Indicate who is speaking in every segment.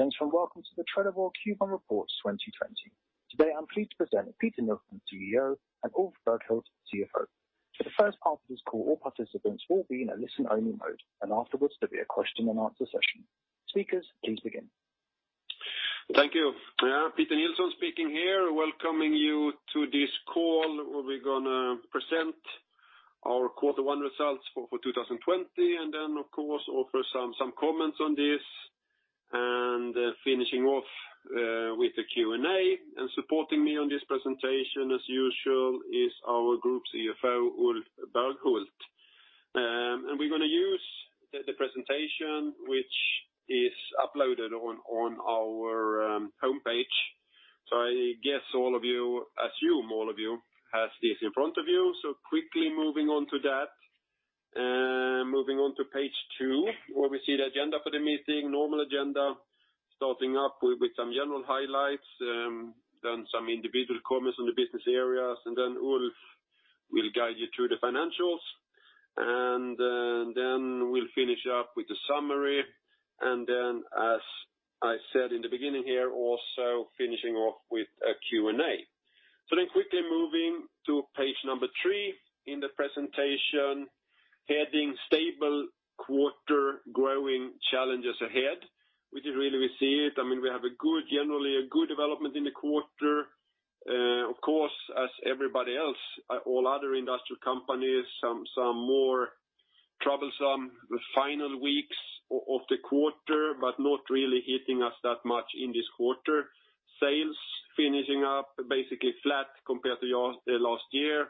Speaker 1: Ladies and gentlemen, welcome to the Trelleborg Q1 Report 2020. Today, I'm pleased to present Peter Nilsson, CEO, and Ulf Berghult, CFO. For the first part of this call, all participants will be in a listen-only mode, and afterwards, there'll be a question and answer session. Speakers, please begin.
Speaker 2: Thank you. Peter Nilsson speaking here, welcoming you to this call where we're going to present our quarter one results for 2020, then, of course, offer some comments on this and finishing off with the Q&A. Supporting me on this presentation, as usual, is our Group CFO, Ulf Berghult. We're going to use the presentation, which is uploaded on our homepage. I guess all of you, assume all of you, have this in front of you. Quickly moving on to that. Moving on to page two, where we see the agenda for the meeting, normal agenda, starting up with some general highlights, then some individual comments on the business areas, then Ulf will guide you through the financials. Then we'll finish up with the summary, then as I said in the beginning here, also finishing off with a Q&A. Quickly moving to page number three in the presentation, heading Stable Quarter, Growing Challenges Ahead. Which is really we see it. We have generally a good development in the quarter. Of course, as everybody else, all other industrial companies, some more troublesome the final weeks of the quarter, but not really hitting us that much in this quarter. Sales finishing up basically flat compared to last year,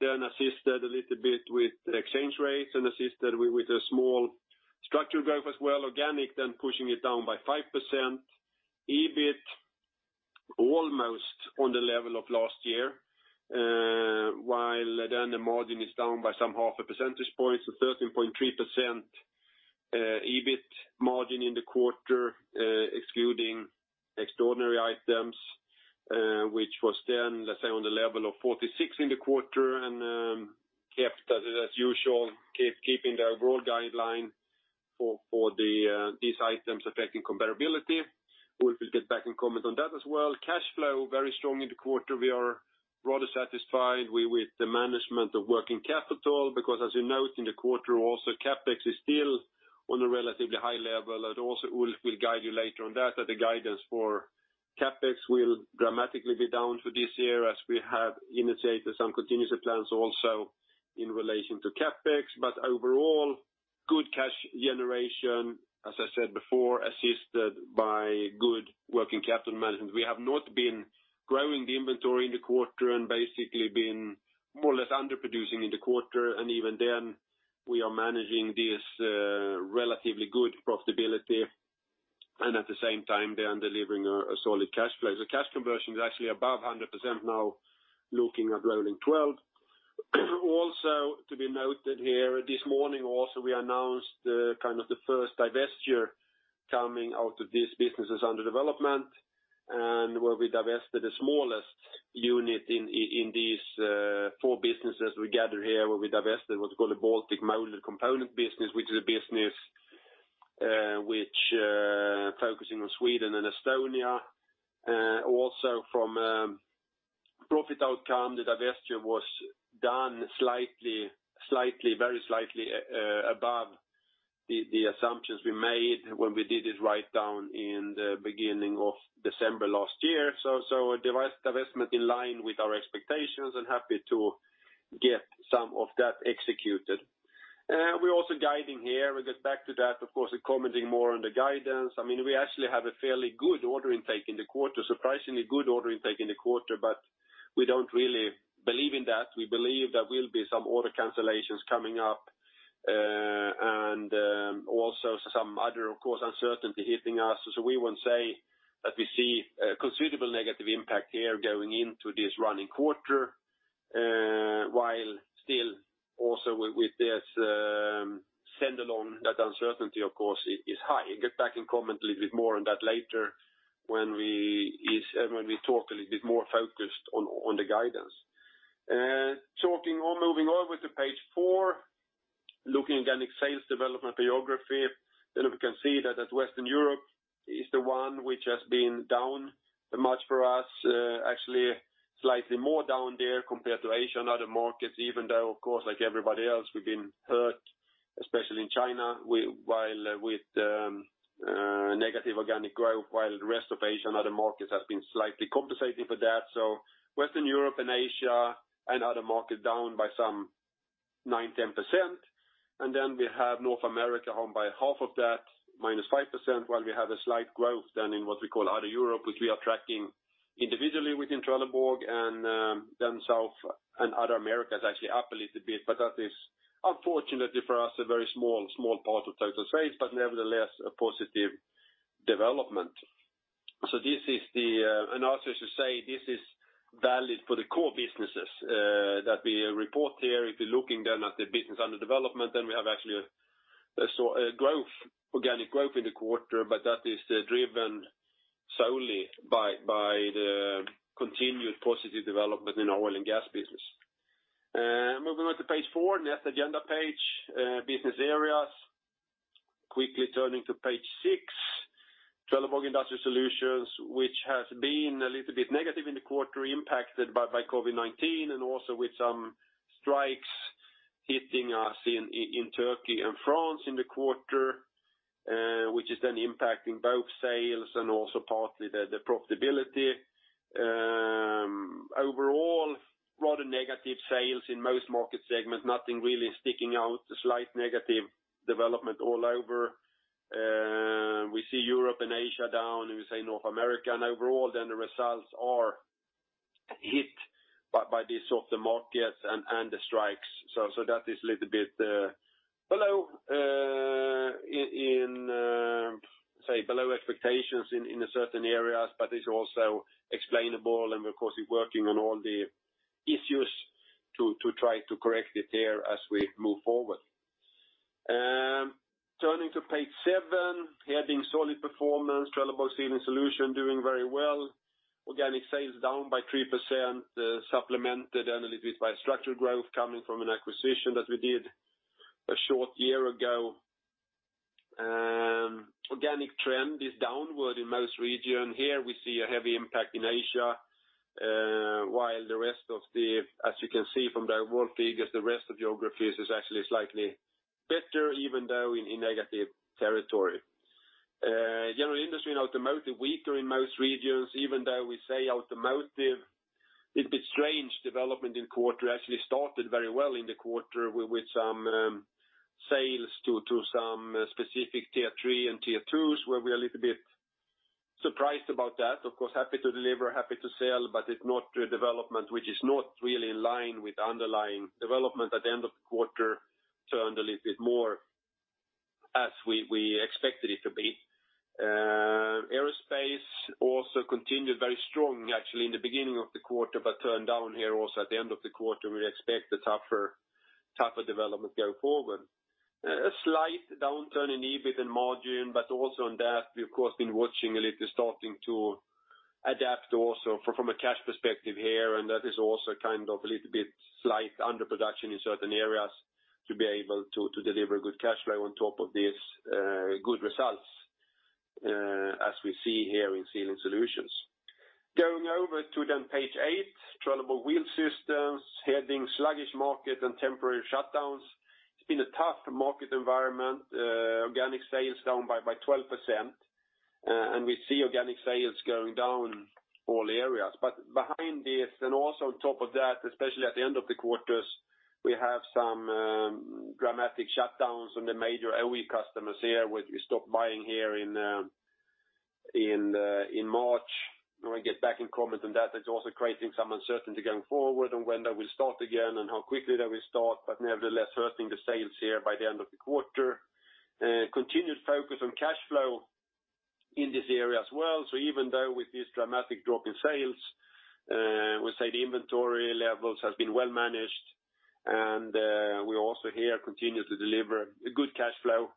Speaker 2: then assisted a little bit with exchange rates and assisted with a small structural growth as well, organic, then pushing it down by 5%. EBIT almost on the level of last year, while then the margin is down by some half a percentage point, so 13.3% EBIT margin in the quarter, excluding extraordinary items which was then, let's say, on the level of 46 in the quarter and kept as usual, keeping the overall guideline for these items affecting comparability. Ulf will get back and comment on that as well. Cash flow, very strong in the quarter. We are rather satisfied with the management of working capital because as you note in the quarter also, CapEx is still on a relatively high level, and also Ulf will guide you later on that the guidance for CapEx will dramatically be down for this year as we have initiated some contingency plans also in relation to CapEx. Overall, good cash generation, as I said before, assisted by good working capital management. We have not been growing the inventory in the quarter and basically been more or less underproducing in the quarter, and even then, we are managing this relatively good profitability, and at the same time then delivering a solid cash flow. The cash conversion is actually above 100% now looking at rolling 12. Also to be noted here, this morning also we announced the first divestiture coming out of these businesses under development, and where we divested the smallest unit in these four businesses we gather here, where we divested what's called the Baltic Moulded Component business, which is a business which focusing on Sweden and Estonia. Also from profit outcome, the divestiture was done very slightly above the assumptions we made when we did it right down in the beginning of December last year. A divestment in line with our expectations and happy to get some of that executed. We're also guiding here. We'll get back to that, of course, commenting more on the guidance. We actually have a fairly good order intake in the quarter, surprisingly good order intake in the quarter, but we don't really believe in that. We believe there will be some order cancellations coming up, also some other, of course, uncertainty hitting us. We would say that we see a considerable negative impact here going into this running quarter, while still also with this send along, that uncertainty, of course, is high. I'll get back and comment a little bit more on that later when we talk a little bit more focused on the guidance. Moving on with the page four, looking at organic sales development by geography. We can see that Western Europe is the one which has been down much for us, actually slightly more down there compared to Asia and other markets, even though, of course, like everybody else, we've been hurt, especially in China, with negative organic growth, while the rest of Asia and other markets have been slightly compensating for that. Western Europe and Asia and other markets down by some 9%, 10%. We have North America down by half of that, -5%, while we have a slight growth than in what we call other Europe, which we are tracking individually within Trelleborg, and then South and other Americas actually up a little bit. That is unfortunately for us, a very small part of total sales, but nevertheless, a positive development. This is the analysis to say this is valid for the core businesses that we report here. If you're looking then at the business under development, we have actually a growth, organic growth in the quarter, but that is driven solely by the continued positive development in our oil and gas business. Moving on to page four, next agenda page, business areas. Quickly turning to page six, Trelleborg Industrial Solutions, which has been a little bit negative in the quarter, impacted by COVID-19 and also with some strikes hitting us in Turkey and France in the quarter, which is impacting both sales and also partly the profitability. Rather negative sales in most market segments, nothing really sticking out, a slight negative development all over. We see Europe and Asia down, and we say North America, the results are hit by this soft markets and the strikes. That is a little bit below expectations in certain areas, but it's also explainable and we're working on all the issues to try to correct it there as we move forward. Turning to page seven, heading Solid Performance, Trelleborg Sealing Solutions doing very well. Organic sales down by 3%, supplemented a little bit by structural growth coming from an acquisition that we did a short year ago. Organic trend is downward in most region. Here we see a heavy impact in Asia, while the rest of as you can see from the world figures, the rest of geographies is actually slightly better, even though in a negative territory. General industry and automotive weaker in most regions, even though we say automotive, little bit strange development in quarter. Actually started very well in the quarter with some sales to some specific tier 3 and tier 2s, where we're a little bit surprised about that. Of course, happy to deliver, happy to sell, It's not a development which is not really in line with underlying development at the end of the quarter, turned a little bit more as we expected it to be. Aerospace also continued very strong actually in the beginning of the quarter, but turned down here also at the end of the quarter. We expect a tougher development going forward. A slight downturn in EBIT and margin, but also on that, we of course, been watching a little starting to adapt also from a cash perspective here, and that is also a little bit slight underproduction in certain areas to be able to deliver good cash flow on top of these good results as we see here in Sealing Solutions. Going over to page eight, Trelleborg Wheel Systems, heading Sluggish Market and Temporary Shutdowns. It's been a tough market environment. Organic sales down by 12%. We see organic sales going down all areas. Behind this, and also on top of that, especially at the end of the quarters, we have some dramatic shutdowns from the major OE customers here, which we stopped buying here in March. When we get back and comment on that's also creating some uncertainty going forward on when they will start again and how quickly they will start, but nevertheless hurting the sales here by the end of the quarter. Continued focus on cash flow in this area as well. Even though with this dramatic drop in sales, we say the inventory levels has been well managed, and we also here continue to deliver a good cash flow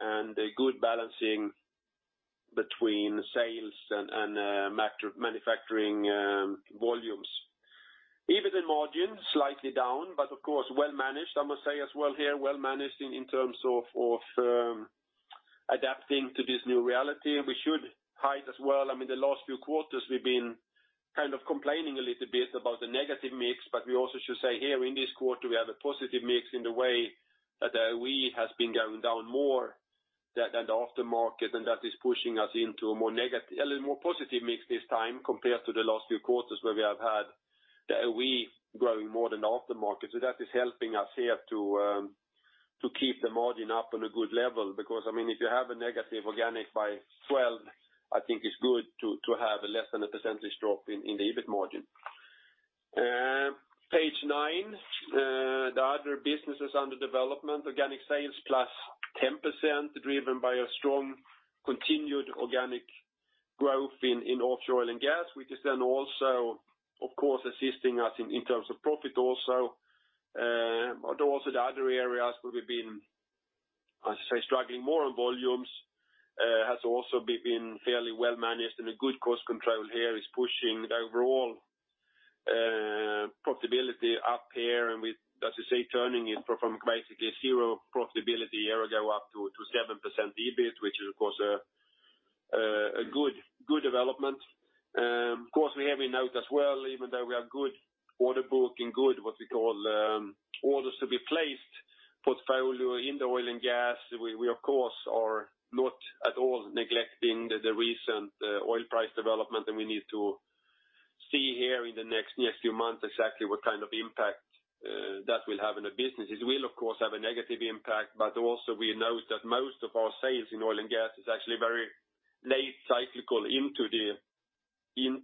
Speaker 2: and a good balancing between sales and manufacturing volumes. EBIT and margin slightly down, but of course, well managed, I must say as well here, well managed in terms of adapting to this new reality. We should hide as well. I mean, the last few quarters we've been kind of complaining a little bit about the negative mix, but we also should say here in this quarter, we have a positive mix in the way that OE has been going down more than the aftermarket, and that is pushing us into a more positive mix this time compared to the last few quarters where we have had the OE growing more than aftermarket. That is helping us here to keep the margin up on a good level, because if you have a negative organic by 12, I think it's good to have a less than a percentage drop in the EBIT margin. Page nine, the other businesses under development, organic sales plus 10%, driven by a strong continued organic growth in offshore oil and gas, which is then also, of course, assisting us in terms of profit also. Although also the other areas where we've been, I say, struggling more on volumes, has also been fairly well managed and a good cost control here is pushing the overall profitability up here, and with, as I say, turning it from basically zero profitability a year ago up to 7% EBIT, which is, of course, a good development. Of course, we have a note as well, even though we have good order book and good, what we call, orders to be placed portfolio in the oil and gas, we of course, are not at all neglecting the recent oil price development that we need to see here in the next few months exactly what kind of impact that will have on the businesses. Will of course, have a negative impact, but also we note that most of our sales in oil and gas is actually very late cyclical into the oil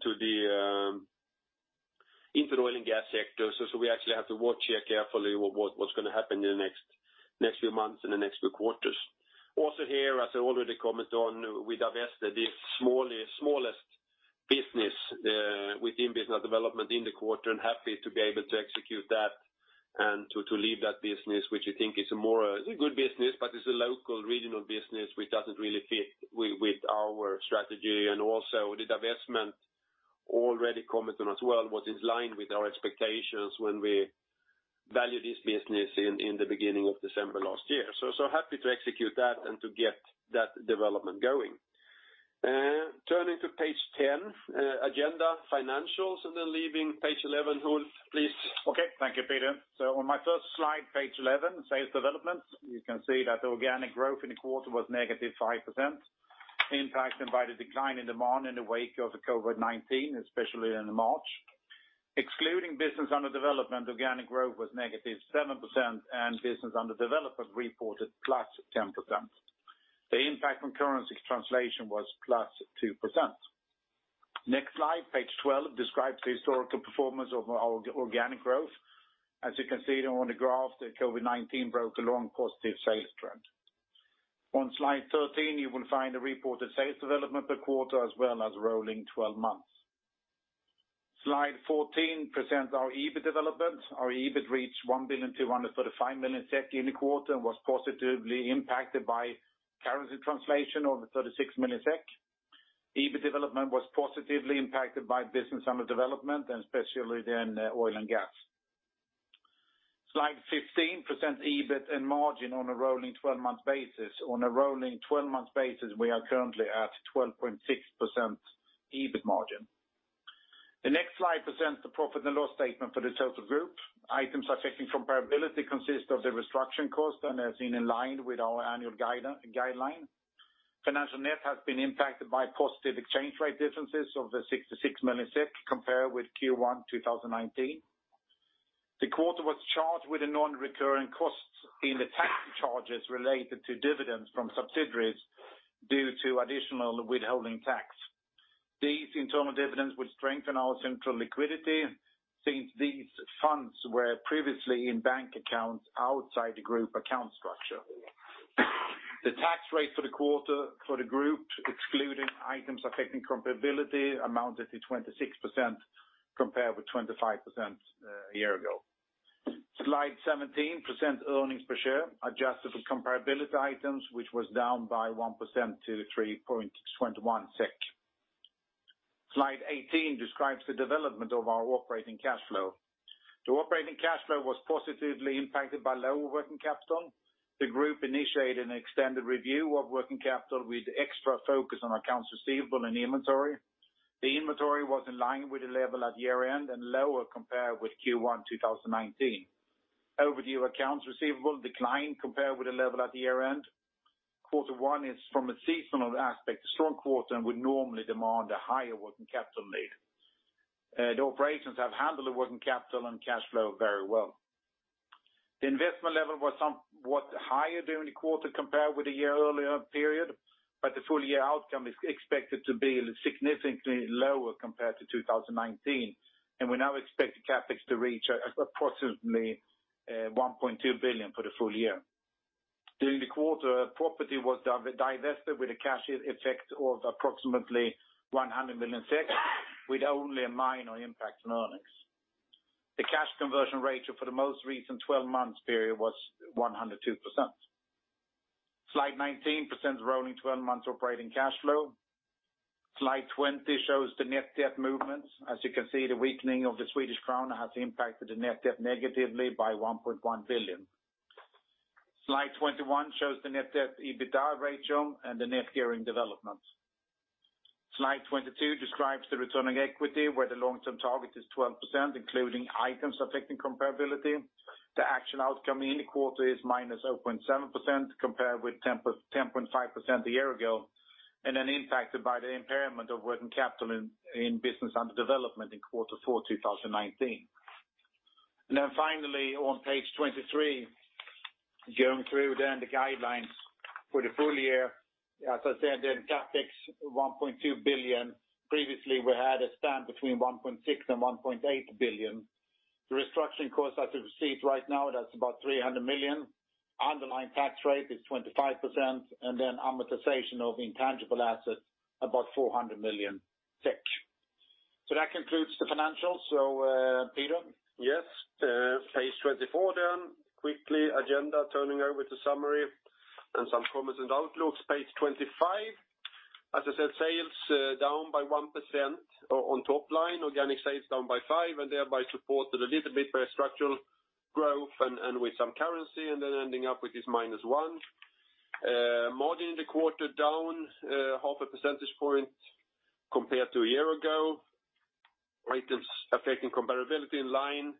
Speaker 2: and gas sector. We actually have to watch here carefully what's going to happen in the next few months and the next few quarters. Also here, as I already commented on, we divested the smallest business within business development in the quarter, happy to be able to execute that and to leave that business, which you think is a good business, but it's a local regional business which doesn't really fit with our strategy. Also the divestment already commented on as well was in line with our expectations when we valued this business in the beginning of December last year. Happy to execute that and to get that development going. Turning to page 10, agenda financials, leaving page 11, Ulf, please.
Speaker 3: Okay. Thank you, Peter. On my first slide, page 11, sales developments. You can see that organic growth in the quarter was negative 5%, impacted by the decline in demand in the wake of the COVID-19, especially in March. Excluding business under development, organic growth was -7%, and business under development reported +10%. The impact from currency translation was +2%. Next slide, page 12, describes the historical performance of our organic growth. As you can see on the graph, the COVID-19 broke a long positive sales trend. On slide 13, you will find the reported sales development per quarter as well as rolling 12 months. Slide 14 presents our EBIT development. Our EBIT reached 1.235 billion in the quarter and was positively impacted by currency translation of 36 million SEK. EBIT development was positively impacted by business under development and especially oil and gas. Slide 15 presents EBIT and margin on a rolling 12-month basis. On a rolling 12-month basis, we are currently at 12.6% EBIT margin. The next slide presents the profit and loss statement for the total group. Items affecting comparability consist of the restructuring cost in line with our annual guideline. Financial net has been impacted by positive exchange rate differences of 66 million compared with Q1 2019. The quarter was charged with a non-recurring cost in the tax charges related to dividends from subsidiaries due to additional withholding tax. These internal dividends would strengthen our central liquidity since these funds were previously in bank accounts outside the group account structure. The tax rate for the quarter for the group, excluding items affecting comparability, amounted to 26% compared with 25% a year ago. Slide 17 presents earnings per share, adjusted for comparability items, which was down by 1% to 3.21 SEK. Slide 18 describes the development of our operating cash flow. The operating cash flow was positively impacted by lower working capital. The group initiated an extended review of working capital with extra focus on accounts receivable and inventory. The inventory was in line with the level at year-end and lower compared with Q1 2019. Overdue accounts receivable declined compared with the level at the year-end. Quarter one is, from a seasonal aspect, a strong quarter and would normally demand a higher working capital need. The operations have handled the working capital and cash flow very well. The investment level was somewhat higher during the quarter compared with the year earlier period, but the full-year outcome is expected to be significantly lower compared to 2019. We now expect CapEx to reach approximately 1.2 billion for the full year. During the quarter, property was divested with a cash effect of approximately 100 million with only a minor impact on earnings. The cash conversion ratio for the most recent 12 months period was 102%. Slide 19 presents rolling 12 months operating cash flow. Slide 20 shows the net debt movements. As you can see, the weakening of the Swedish Krona has impacted the net debt negatively by 1.1 billion. Slide 21 shows the net debt EBITDA ratio and the net gearing development. Slide 22 describes the returning equity, where the long-term target is 12%, including items affecting comparability. The actual outcome in the quarter is -0.7% compared with 10.5% a year ago, and then impacted by the impairment of working capital in business under development in quarter four, 2019. Finally on page 23, going through the guidelines for the full year. As I said, CapEx 1.2 billion. Previously, we had a stand between 1.6 billion and 1.8 billion. The restructuring cost as received right now, that's about 300 million. Underlying tax rate is 25%, and amortization of intangible assets, about 400 million. That concludes the financials. Peter?
Speaker 2: Yes. Page 24. Quickly, agenda turning over to summary and some comments and outlooks. Page 25. As I said, sales down by 1% on top line, organic sales down by 5%, and thereby supported a little bit by structural growth and with some currency, and then ending up with this -1%. Margin in the quarter down half a percentage point compared to a year ago. Items affecting comparability in line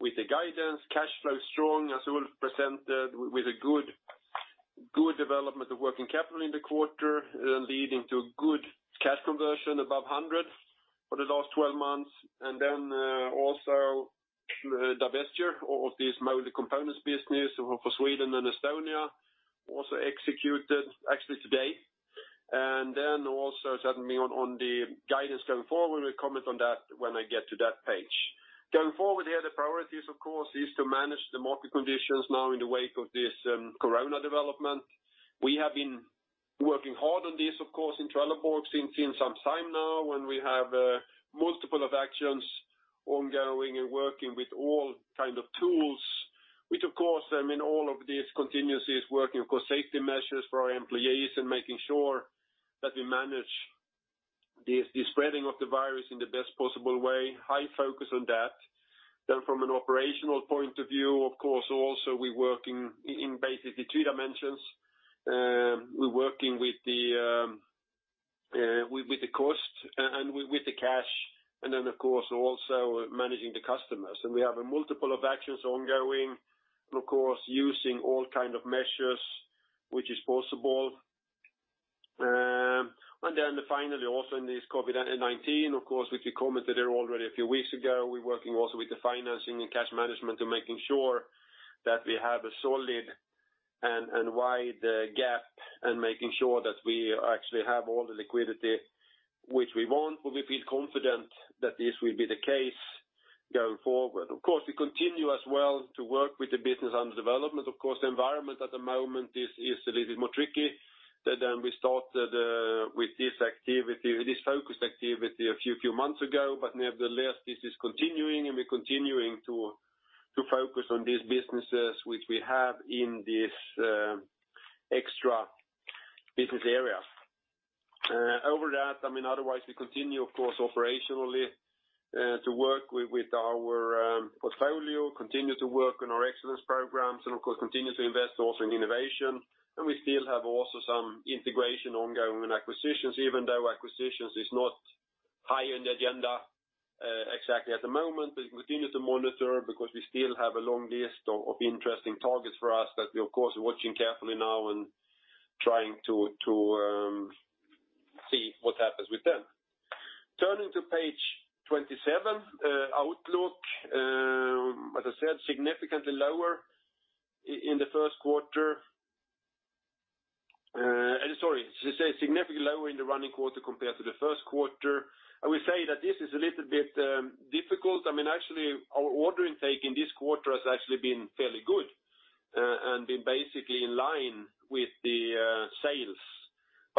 Speaker 2: with the guidance. Cash flow is strong, as Ulf presented, with a good development of working capital in the quarter, leading to a good cash conversion above 100 for the last 12 months. Also divestiture of this Moulded Components business for Sweden and Estonia also executed actually today. Also certainly on the guidance going forward, we'll comment on that when I get to that page. Going forward here, the priorities, of course, is to manage the market conditions now in the wake of this Corona development. We have been working hard on this, of course, in Trelleborg since some time now, when we have multiple of actions ongoing and working with all kind of tools, which, of course, all of this continuously is working, of course, safety measures for our employees and making sure that we manage the spreading of the virus in the best possible way. High focus on that. From an operational point of view, of course, also we working in basically three dimensions. We working with the cost and with the cash and then, of course, also managing the customers. We have a multiple of actions ongoing, and of course, using all kind of measures which is possible. Finally, also in this COVID-19, of course, we commented here already a few weeks ago, we working also with the financing and cash management and making sure that we have a solid and wide gap and making sure that we actually have all the liquidity which we want, where we feel confident that this will be the case going forward. Of course, we continue as well to work with the business under development. Of course, the environment at the moment is a little bit more tricky than we started with this focused activity a few months ago. Nevertheless, this is continuing, and we're continuing to focus on these businesses which we have in these extra business areas. Over that, otherwise we continue, of course, operationally, to work with our portfolio, continue to work on our excellence programs and of course, continue to invest also in innovation. We still have also some integration ongoing and acquisitions, even though acquisitions is not high in the agenda exactly at the moment. We continue to monitor because we still have a long list of interesting targets for us that we, of course, are watching carefully now and trying to see what happens with them. Turning to page 27, outlook, as I said, significantly lower in the first quarter. Sorry, significantly lower in the running quarter compared to the first quarter. I would say that this is a little bit difficult. Actually, our order intake in this quarter has actually been fairly good and been basically in line with the sales.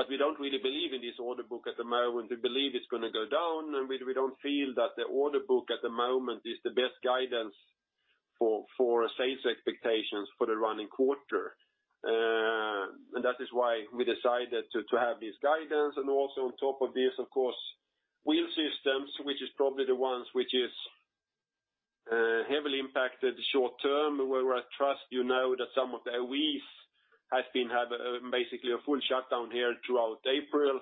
Speaker 2: We don't really believe in this order book at the moment. We believe it's going to go down, and we don't feel that the order book at the moment is the best guidance for sales expectations for the running quarter. That is why we decided to have this guidance. Also on top of this, of course, Wheel Systems, which is probably the ones which is heavily impacted short-term, where I trust you know that some of the have basically a full shutdown here throughout April.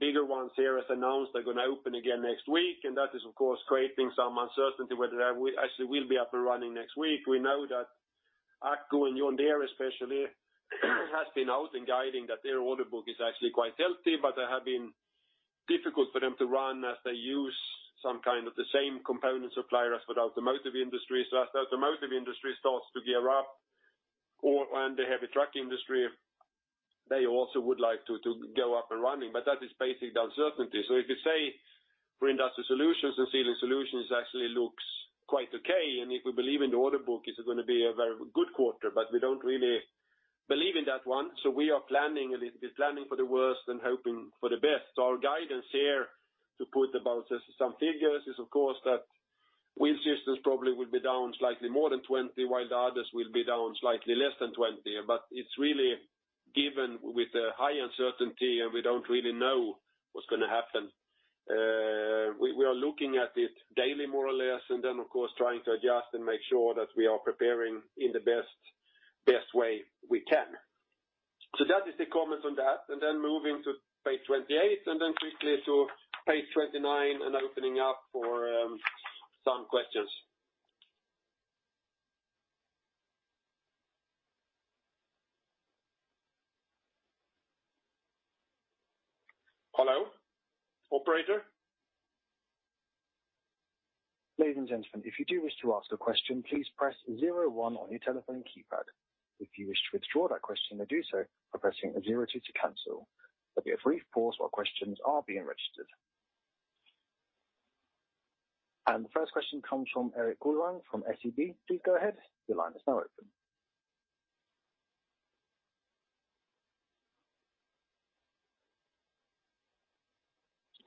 Speaker 2: Bigger ones here has announced they're going to open again next week, and that is, of course, creating some uncertainty whether they actually will be up and running next week. We know that AGCO and John Deere especially has been out and guiding that their order book is actually quite healthy, but they have been difficult for them to run as they use some kind of the same component supplier as for the automotive industry. As the automotive industry starts to gear up and the heavy truck industry, they also would like to go up and running. That is basically the uncertainty. If you say for Industry Solutions and Sealing Solutions, actually looks quite okay, and if we believe in the order book, it's going to be a very good quarter. We don't really believe in that one. We are planning for the worst and hoping for the best. Our guidance here, to put about some figures is, of course, that Wheel Systems probably will be down slightly more than 20, while the others will be down slightly less than 20. It's really given with a high uncertainty, and we don't really know what's going to happen. We are looking at it daily, more or less, and then of course, trying to adjust and make sure that we are preparing in the best way we can. That is the comment on that, and then moving to page 28, and then quickly to page 29, and opening up for some questions. Hello? Operator?
Speaker 1: Ladies and gentlemen, if you do wish to ask a question, please press zero one on your telephone keypad. If you wish to withdraw that question, you do so by pressing zero two to cancel. There'll be a brief pause while questions are being registered. The first question comes from Erik Golrang from SEB. Please go ahead. Your line is now open.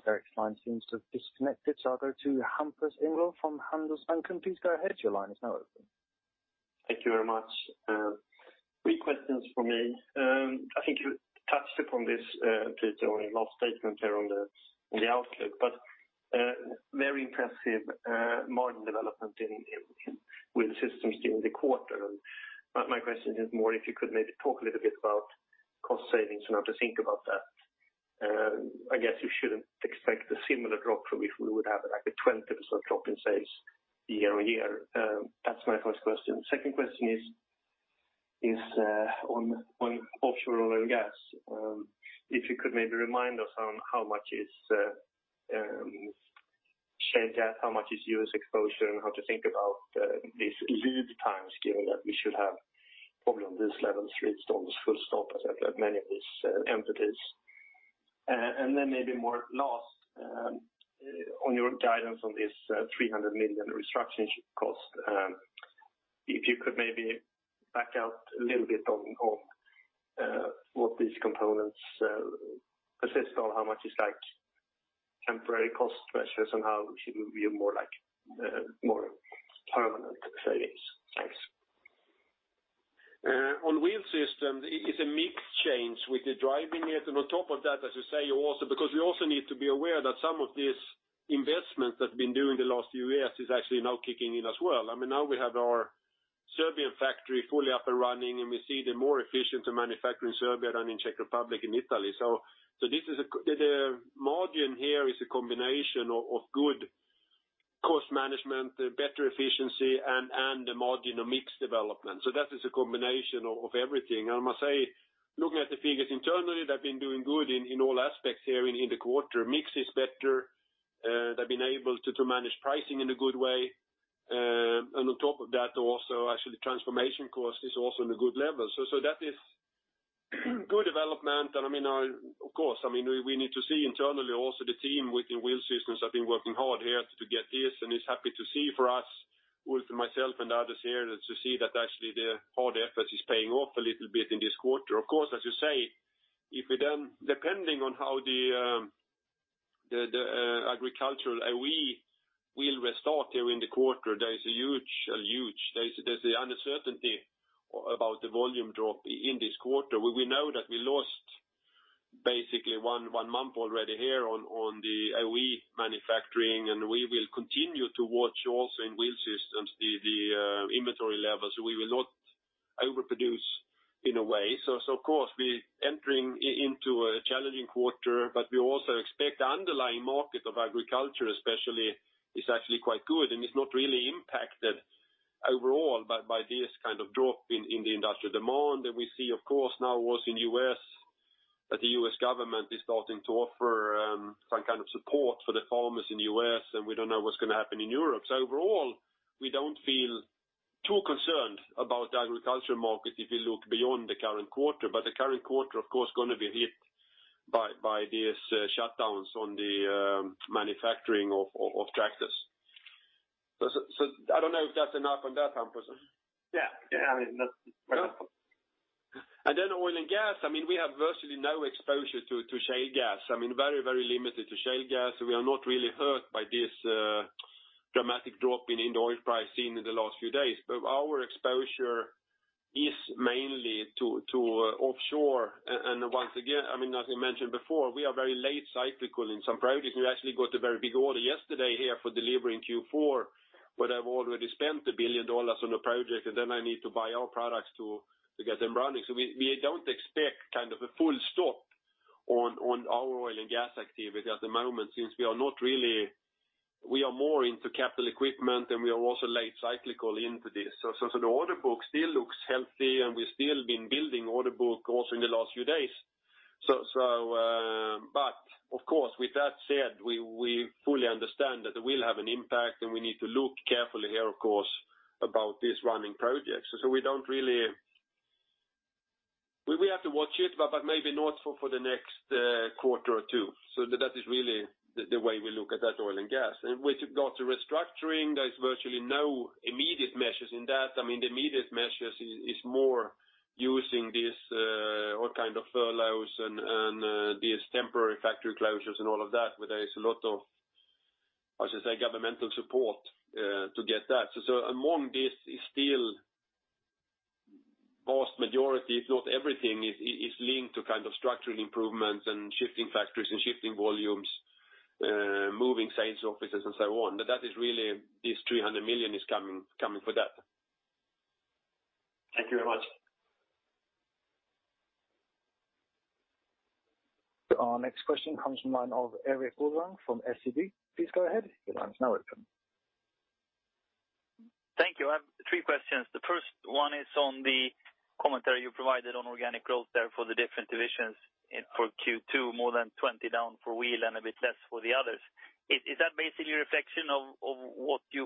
Speaker 1: Erik's line seems to have disconnected, so I'll go to Hampus Engellau from Handelsbanken. Please go ahead, your line is now open.
Speaker 4: Thank you very much. Three questions from me. I think you touched upon this a little in your last statement there on the outlook. Very impressive margin development in Wheel Systems during the quarter. My question is more if you could maybe talk a little bit about cost savings and how to think about that. I guess you shouldn't expect a similar drop if we would have a 20% drop in sales year-on-year. That's my first question. Second question is on offshore oil and gas. If you could maybe remind us on how much is shaved there, how much is U.S. exposure, and how to think about these lead times, given that we should have probably on this level three storms. Maybe more last on your guidance on this 300 million restructuring cost. If you could maybe back out a little bit on what these components consist of, how much is temporary cost pressures and how should we view more permanent savings? Thanks.
Speaker 2: On Wheel Systems, it's a mixed change with the driving it. On top of that, as you say, also because we also need to be aware that some of these investments that have been doing the last few years is actually now kicking in as well. Now we have our Serbian factory fully up and running, and we see they're more efficient to manufacture in Serbia than in Czech Republic and Italy. The margin here is a combination of good cost management, better efficiency, and the margin of mix development. That is a combination of everything. I must say, looking at the figures internally, they've been doing good in all aspects here in the quarter. Mix is better. They've been able to manage pricing in a good way. On top of that, also actually transformation cost is also in a good level. That is good development. Of course, we need to see internally also the team within Wheel Systems have been working hard here to get this, and it's happy to see for us, with myself and others here, to see that actually the hard effort is paying off a little bit in this quarter. Of course, as you say, depending on how the agricultural will restart here in the quarter, there is a huge uncertainty about the volume drop in this quarter. We know that we lost basically one month already here on the OE manufacturing. We will continue to watch also in Wheel Systems, the inventory levels. We will not overproduce in a way. Of course, we entering into a challenging quarter, but we also expect the underlying market of agriculture especially is actually quite good, and it's not really impacted overall by this kind of drop in the industrial demand. We see, of course, now also in U.S. that the U.S. government is starting to offer some kind of support for the farmers in U.S., and we don't know what's going to happen in Europe. Overall, we don't feel too concerned about the agriculture market if you look beyond the current quarter, but the current quarter, of course, going to be hit by these shutdowns on the manufacturing of tractors. I don't know if that's enough on that, Hampus?
Speaker 4: Yeah.
Speaker 2: Oil and gas, we have virtually no exposure to shale gas. Very limited to shale gas. We are not really hurt by this dramatic drop in oil pricing in the last few days. Our exposure is mainly to offshore. Once again, as we mentioned before, we are very late cyclical in some projects. We actually got a very big order yesterday here for delivery in Q4, where I've already spent $1 billion on a project, and then I need to buy our products to get them running. We don't expect kind of a full stop on our oil and gas activity at the moment, since we are more into capital equipment, and we are also late cyclical into this. The order book still looks healthy, and we've still been building order book also in the last few days. Of course, with that said, we fully understand that it will have an impact and we need to look carefully here, of course, about these running projects. We have to watch it, but maybe not for the next quarter or two. That is really the way we look at that oil and gas. When you go to restructuring, there is virtually no immediate measures in that. The immediate measures is more using this all kind of furloughs and these temporary factory closures and all of that, where there is a lot of, how should I say, governmental support to get that. Among this is still vast majority, if not everything is linked to kind of structural improvements and shifting factories and shifting volumes, moving sales offices and so on. That is really this 300 million is coming for that.
Speaker 4: Thank you very much.
Speaker 1: Our next question comes from line of Erik Golrang from SEB. Please go ahead. Your line is now open.
Speaker 5: Thank you. I have three questions. The first one is on the commentary you provided on organic growth there for the different divisions for Q2, more than 20% down for wheel and a bit less for the others. Is that basically a reflection of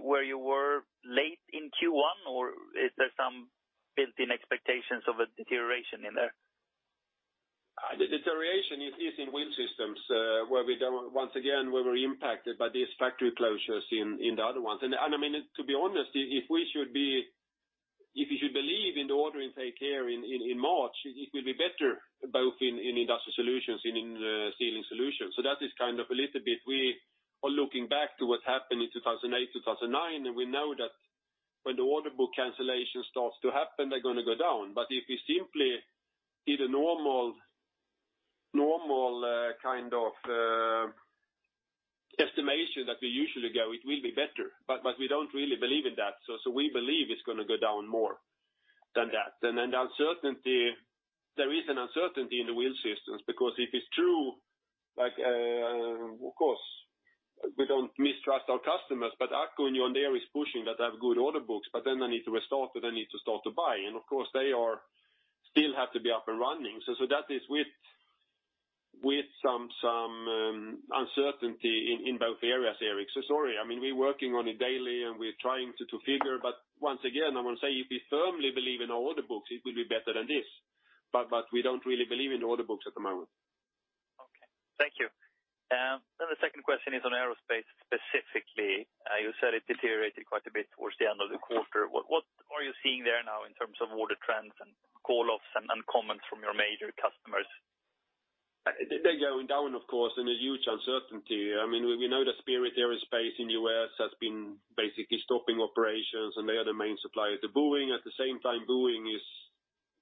Speaker 5: where you were late in Q1, or is there some built-in expectations of a deterioration in there?
Speaker 2: The deterioration is in Wheel Systems, where once again, we were impacted by these factory closures in the other ones. To be honest, if you should believe in the ordering take care in March, it will be better both in Industrial Solutions and in the Sealing Solutions. That is kind of a little bit we are looking back to what happened in 2008, 2009, we know that when the order book cancellation starts to happen, they're going to go down. If we simply did a normal kind of estimation that we usually go, it will be better. We don't really believe in that. We believe it's going to go down more than that. There is an uncertainty in the Wheel Systems because if it's true, of course, we don't mistrust our customers, but AGCO on there is pushing that they have good order books, but then they need to restart, they need to start to buy. Of course, they still have to be up and running. That is with some uncertainty in both areas, Erik. Sorry. We're working on it daily and we're trying to figure, Once again, I want to say if we firmly believe in order books, it will be better than this, but we don't really believe in order books at the moment.
Speaker 5: Okay. Thank you. The second question is on aerospace specifically. You said it deteriorated quite a bit towards the end of the quarter. What are you seeing there now in terms of order trends and call-offs and comments from your major customers?
Speaker 2: They're going down, of course, and a huge uncertainty. We know that Spirit AeroSystems in U.S. has been basically stopping operations. They are the main supplier to Boeing. At the same time, Boeing is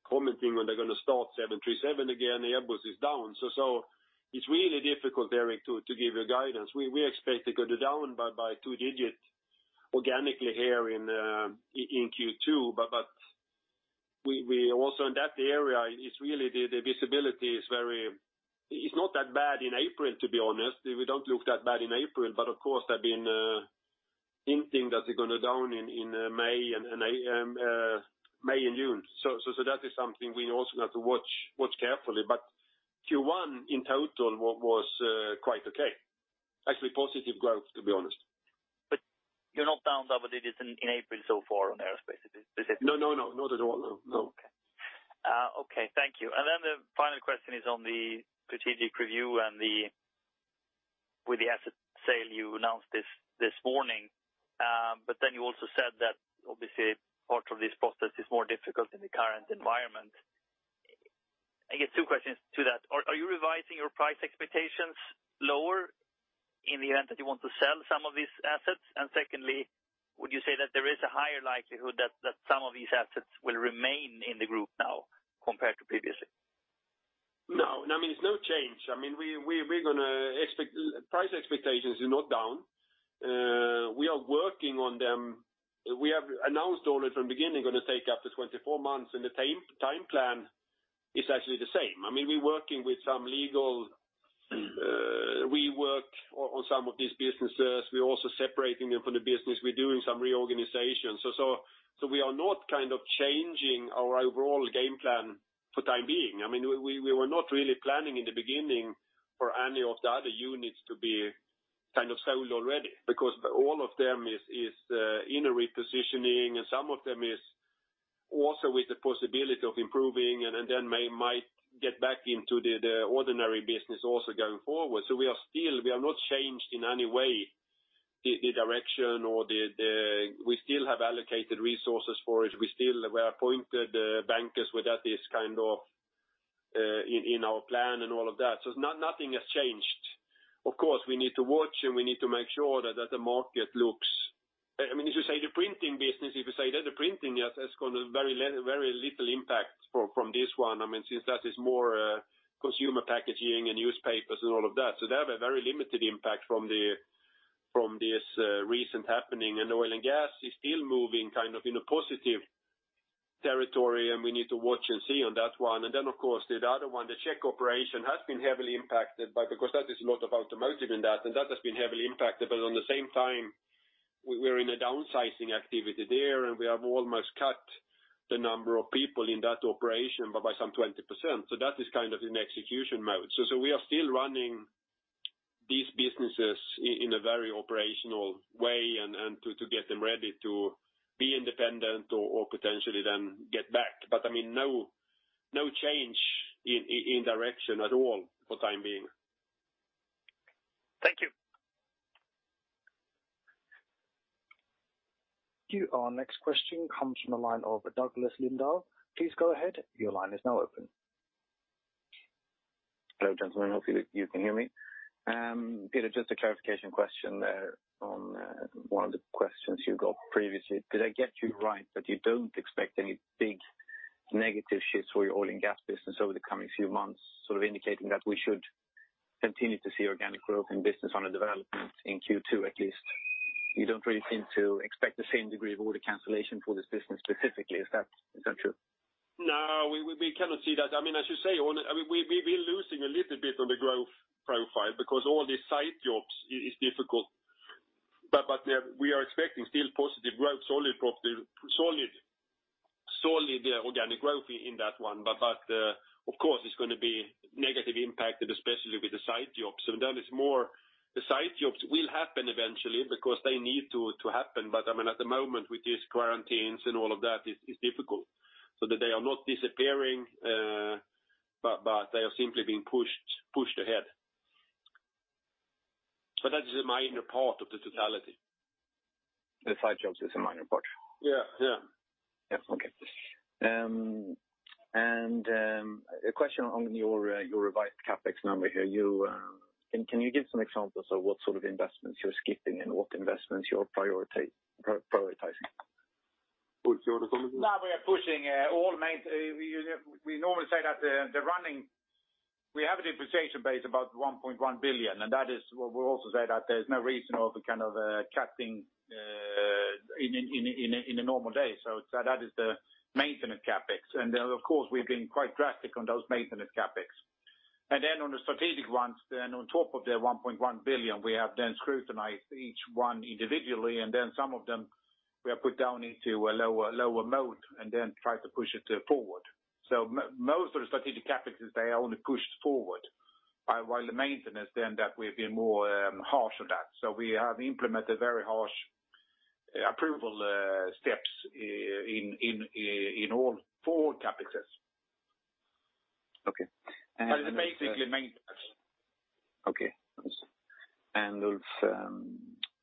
Speaker 2: commenting when they're going to start Boeing 737 again. The Airbus is down. It's really difficult, Erik, to give you a guidance. We expect to go down by two digits organically here in Q2, but also in that area, the visibility is not that bad in April, to be honest. We don't look that bad in April. Of course, they've been hinting that they're going down in May and June. That is something we also have to watch carefully. Q1 in total was quite okay. Actually positive growth, to be honest.
Speaker 5: You're not down double digits in April so far on aerospace, is it?
Speaker 2: No, they're not. No.
Speaker 5: Okay. Thank you. The final question is on the strategic review with the asset sale you announced this morning. You also said that obviously part of this process is more difficult in the current environment. I guess two questions to that. Are you revising your price expectations lower in the event that you want to sell some of these assets? Secondly, would you say that there is a higher likelihood that some of these assets will remain in the group now compared to previously?
Speaker 2: No. There's no change. Price expectations are not down. We are working on them. We have announced all it from beginning going to take up to 24 months, and the time plan is actually the same. We work on some of these businesses. We're also separating them from the business. We're doing some reorganization. We are not changing our overall game plan for time being. We were not really planning in the beginning for any of the other units to be sold already because all of them is in a repositioning, and some of them is also with the possibility of improving and then might get back into the ordinary business also going forward. We are not changed in any way the direction, or we still have allocated resources for it. We appointed bankers with that in our plan and all of that. Nothing has changed. Of course, we need to watch and we need to make sure that the market. As you say, the printing business, if you say that the printing has got a very little impact from this one, since that is more consumer packaging and newspapers and all of that. They have a very limited impact from this recent happening. Oil and gas is still moving in a positive territory, and we need to watch and see on that one. Of course, the other one, the Czech operation has been heavily impacted because that is a lot of automotive in that, and that has been heavily impacted. At the same time, we're in a downsizing activity there, and we have almost cut the number of people in that operation by 20%. That is in execution mode. We are still running these businesses in a very operational way and to get them ready to be independent or potentially then get back. No change in direction at all for time being.
Speaker 5: Thank you.
Speaker 1: Our next question comes from the line of [Douglas Lindahl]. Please go ahead. Your line is now open.
Speaker 6: Hello, gentlemen. Hope you can hear me. Peter, just a clarification question there on one of the questions you got previously. Did I get you right that you don't expect any big negative shifts for your oil and gas business over the coming few months, sort of indicating that we should continue to see organic growth in business on a development in Q2 at least? You don't really seem to expect the same degree of order cancellation for this business specifically. Is that true?
Speaker 2: No, we cannot see that. As you say, we're losing a little bit on the growth profile because all the site jobs is difficult. We are expecting still positive growth, solid organic growth in that one. Of course, it's going to be negatively impacted, especially with the site jobs. The site jobs will happen eventually because they need to happen. At the moment with these quarantines and all of that, it's difficult. They are not disappearing, but they are simply being pushed ahead. That is a minor part of the totality.
Speaker 6: The site jobs is a minor part?
Speaker 2: Yeah.
Speaker 6: Okay. A question on your revised CapEx number here. Can you give some examples of what sort of investments you're skipping and what investments you're prioritizing?
Speaker 2: Which one? We normally say that the running, we have a depreciation base about 1.1 billion, that is what we also say that there's no reason of cutting in a normal day. That is the maintenance CapEx. Of course, we've been quite drastic on those maintenance CapEx. On the strategic ones, then on top of the 1.1 billion, we have then scrutinized each one individually, and then some of them We are put down into a lower mode then try to push it forward. Most of the strategic CapEx, they are only pushed forward while the maintenance then that we've been more harsh on that. We have implemented very harsh approval steps in all forward CapExes.
Speaker 6: Okay.
Speaker 2: It's basically maintenance.
Speaker 6: Okay. Ulf,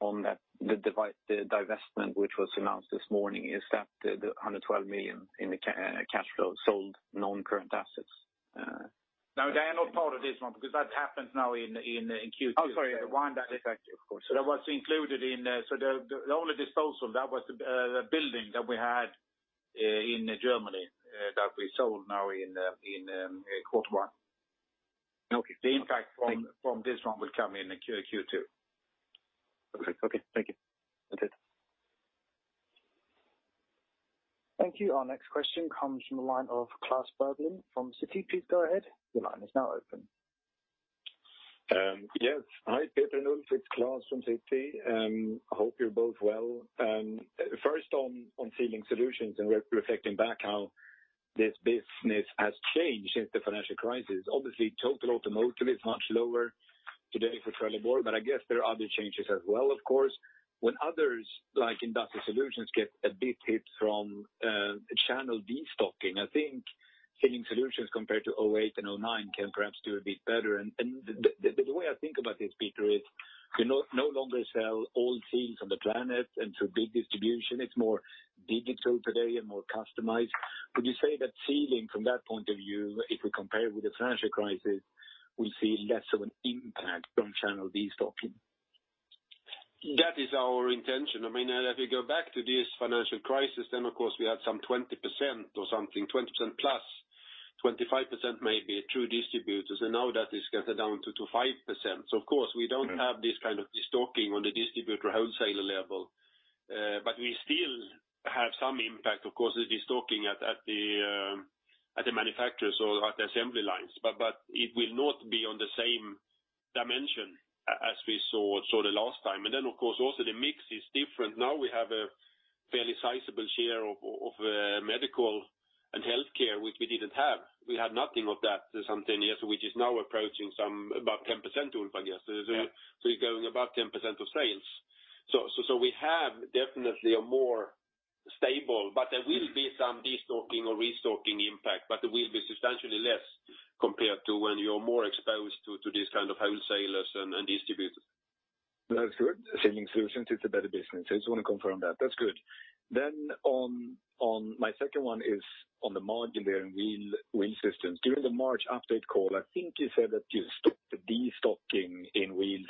Speaker 6: on the divestment which was announced this morning, is that the 112 million in the cash flow sold non-current assets?
Speaker 2: No, they are not part of this one because that happened now in Q2.
Speaker 6: I'm sorry, the wind asset, of course.
Speaker 2: The only disposal, that was the building that we had in Germany, that we sold now in quarter one.
Speaker 6: Okay.
Speaker 2: The impact from this one will come in the Q2.
Speaker 6: Perfect. Okay. Thank you. That's it.
Speaker 1: Thank you. Our next question comes from the line of Klas Bergelind from Citi. Please go ahead. Your line is now open.
Speaker 7: Hi, Peter and Ulf. It's Klas from Citi. Hope you're both well. First on Sealing Solutions and reflecting back how this business has changed since the financial crisis. Obviously, total automotive is much lower today for Trelleborg, but I guess there are other changes as well, of course. When others like Industrial Solutions get a bit hit from channel destocking, I think Sealing Solutions compared to 2008 and 2009 can perhaps do a bit better. The way I think about this, Peter, is you no longer sell all sealings on the planet and through big distribution, it's more digital today and more customized. Would you say that sealing from that point of view, if we compare with the financial crisis, will see less of an impact from channel destocking?
Speaker 2: That is our intention. If we go back to this financial crisis, then of course we have some 20% or something, +20%, 25% maybe through distributors, and now that is gathered down to 5%. Of course, we don't have this kind of destocking on the distributor wholesaler level. We still have some impact, of course, with destocking at the manufacturers or at the assembly lines. It will not be on the same dimension as we saw the last time. Of course, also the mix is different. Now we have a fairly sizable share of medical and healthcare, which we didn't have. We had nothing of that some 10 years, which is now approaching some about 10%, Ulf, I guess.
Speaker 3: Yeah.
Speaker 2: You're going above 10% of sales. We have definitely a more stable, but there will be some destocking or restocking impact, but it will be substantially less compared to when you're more exposed to these kind of wholesalers and distributors.
Speaker 7: That's good. Sealing Solutions is a better business. I just want to confirm that. That's good. My second one is on the Modular and Wheel Systems. During the March update call, I think you said that you stopped the destocking in Wheels,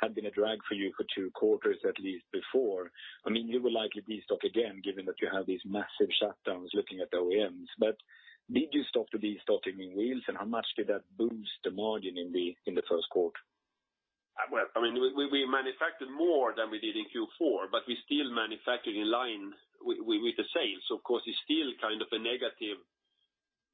Speaker 7: had been a drag for you for two quarters, at least before. You will likely destock again, given that you have these massive shutdowns looking at the OEMs. Did you stop the destocking in Wheels, and how much did that boost the margin in the first quarter?
Speaker 2: Well, we manufactured more than we did in Q4, we still manufactured in line with the sales. Of course, it's still kind of a negative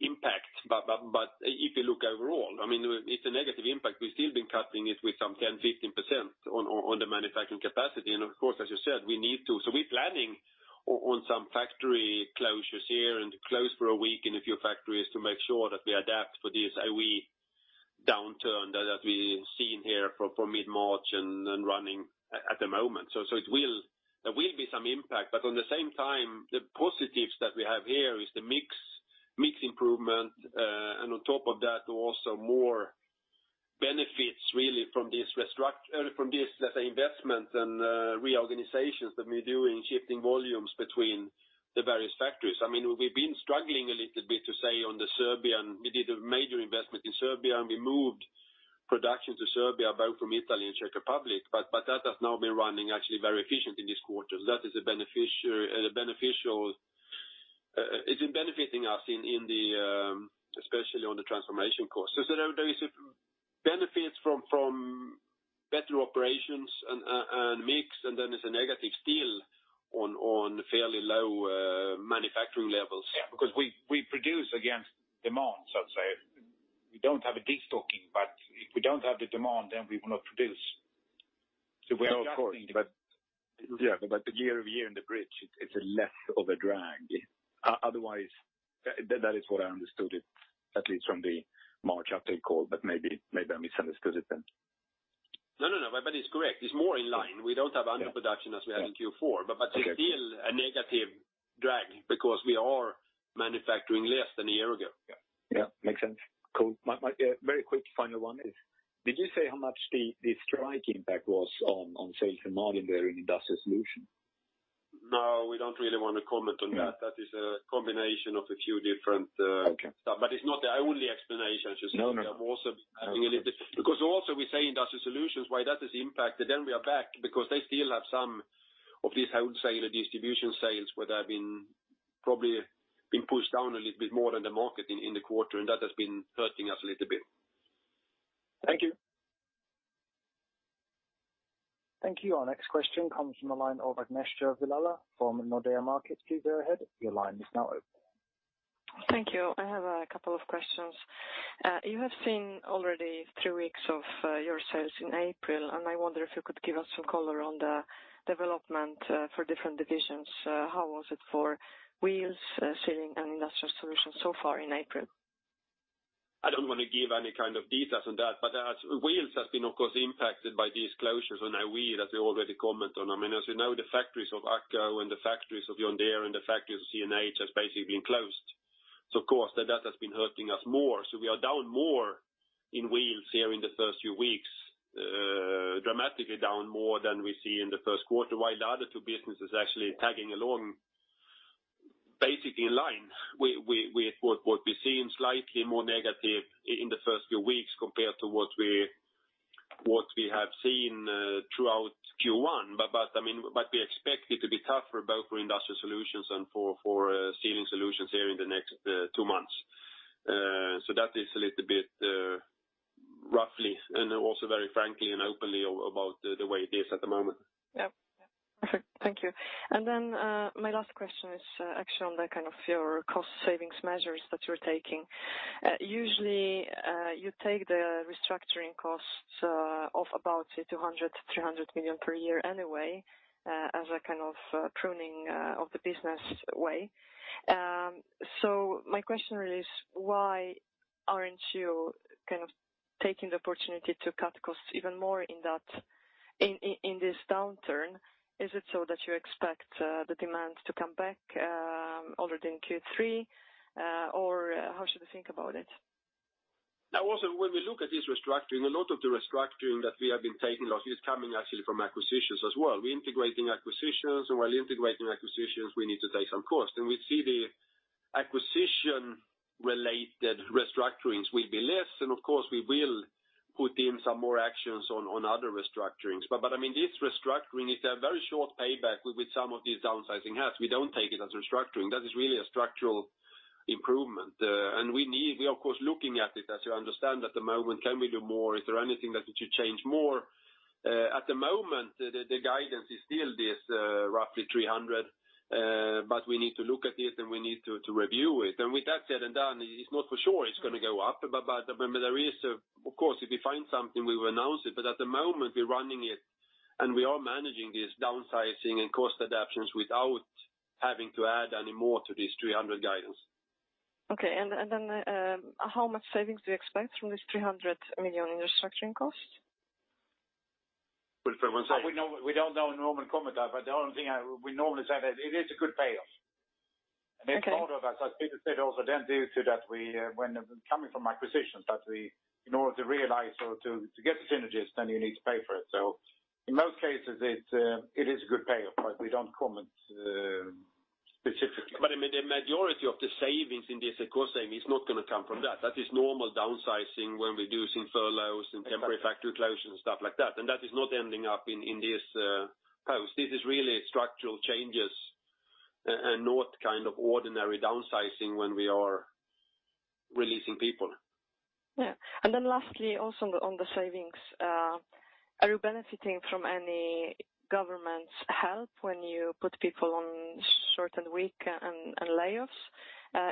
Speaker 2: impact. If you look overall, it's a negative impact. We've still been cutting it with some 10%, 15% on the manufacturing capacity. Of course, as you said, we need to. We're planning on some factory closures here and close for a week in a few factories to make sure that we adapt for this OE downturn that we've seen here from mid-March and running at the moment. There will be some impact, but at the same time, the positives that we have here is the mix improvement, and on top of that, also more benefits really from this, let's say, investment and reorganizations that we do in shifting volumes between the various factories. We've been struggling a little bit to say on the Serbian, we did a major investment in Serbia, and we moved production to Serbia, both from Italy and Czech Republic. That has now been running actually very efficient in this quarter. It's benefiting us especially on the transformation cost. There is benefits from better operations and mix. There's a negative still on fairly low manufacturing levels. Yeah. We produce against demand, so to say. We don't have a destocking, but if we don't have the demand, then we will not produce. We are adjusting.
Speaker 7: Of course. Year-over-year in the bridge, it's a less of a drag. Otherwise, that is what I understood it, at least from the March update call, but maybe I misunderstood it then.
Speaker 2: No, it's correct. It's more in line. We don't have underproduction as we had in Q4, there's still a negative drag because we are manufacturing less than a year ago.
Speaker 7: Yeah. Makes sense. Cool. My very quick final one is, did you say how much the strike impact was on sales for Modular and Industrial Solutions?
Speaker 2: No, we don't really want to comment on that. That is a combination of a few different stuff.
Speaker 7: Okay.
Speaker 2: It's not the only explanation. It's just that we have also been having a little bit. We say Industrial Solutions, why that is impacted, then we are back because they still have some of these wholesaler distribution sales where they've been probably been pushed down a little bit more than the market in the quarter, and that has been hurting us a little bit.
Speaker 7: Thank you.
Speaker 1: Thank you. Our next question comes from the line of Agnieszka Vilela from Nordea Markets. Please go ahead. Your line is now open.
Speaker 8: Thank you. I have a couple of questions. You have seen already three weeks of your sales in April, and I wonder if you could give us some color on the development for different divisions. How was it for Wheels, Sealing, and Industrial Solutions so far in April?
Speaker 2: I don't want to give any kind of details on that, Wheels has been, of course, impacted by these closures on OEs that we already commented on. As you know, the factories of AGCO and the factories of John Deere and the factories of CNH have basically been closed. Of course, that has been hurting us more. We are down more in Wheels here in the first few weeks, dramatically down more than we see in the first quarter, while the other two businesses actually tagging along basically in line with what we see in slightly more negative in the first few weeks compared to what we have seen throughout Q1. We expect it to be tough for both Industrial Solutions and for Sealing Solutions here in the next two months. That is a little bit roughly and also very frankly and openly about the way it is at the moment.
Speaker 8: Yeah. Perfect. Thank you. My last question is actually on your cost savings measures that you're taking. Usually, you take the restructuring costs of about 200 million-300 million per year anyway, as a kind of pruning of the business way. My question really is why aren't you taking the opportunity to cut costs even more in this downturn? Is it so that you expect the demand to come back already in Q3? How should we think about it?
Speaker 2: Also, when we look at this restructuring, a lot of the restructuring that we have been taking is coming actually from acquisitions as well. We're integrating acquisitions, while integrating acquisitions, we need to take some costs. We see the acquisition-related restructurings will be less, of course, we will put in some more actions on other restructurings. This restructuring is a very short payback with some of these downsizing cuts. We don't take it as restructuring. That is really a structural improvement. We're of course looking at it, as you understand at the moment, can we do more? Is there anything that we should change more? At the moment, the guidance is still this roughly 300 million, we need to look at it, we need to review it. With that said and done, it's not for sure it's going to go up, but there is, of course, if we find something, we will announce it, but at the moment, we're running it, and we are managing this downsizing and cost adaptions without having to add any more to this 300 milion guidance.
Speaker 8: Okay. Then how much savings do you expect from this 300 million in restructuring costs?
Speaker 2: We don't know. We normally comment that, but the only thing we normally say that it is a good payoff.
Speaker 8: Okay.
Speaker 3: It's part of that, as Peter said also, due to that when coming from acquisitions that in order to realize or to get the synergies, you need to pay for it. In most cases it is a good payoff, but we don't comment specifically.
Speaker 2: The majority of the savings in this cost saving is not going to come from that. That is normal downsizing when reducing furloughs and temporary factory closures and stuff like that. That is not ending up in this post. This is really structural changes and not kind of ordinary downsizing when we are releasing people.
Speaker 8: Yeah. Lastly, also on the savings, are you benefiting from any government's help when you put people on shortened week and layoffs?